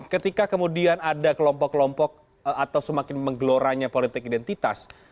ketika kemudian ada kelompok kelompok atau semakin menggeloranya politik identitas